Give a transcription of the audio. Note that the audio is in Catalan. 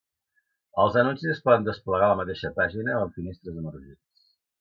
Els anuncis es poden desplegar a la mateixa pàgina o en finestres emergents.